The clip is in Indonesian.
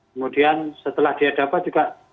kemudian setelah dia dapat juga